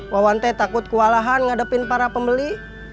wawan teh takut kewalahan ngadepin para pembeli